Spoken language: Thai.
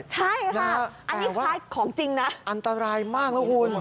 ใช่ค่ะอันนี้คล้ายของจริงนะอันตรายมากนะคุณ